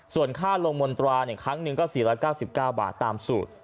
ส่วนค่าลงมนตราครั้งหนึ่งก็๔๙๙บาทตามสูตร